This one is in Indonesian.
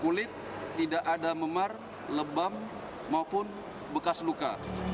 kulit tidak ada memar lebam maupun bekas luka